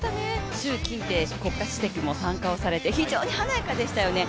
習近平国家主席も参加されて非常に華やかでしたよね。